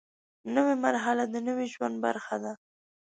نوې مرحله د نوي ژوند برخه ده